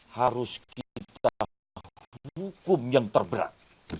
harus kita hukum yang terberat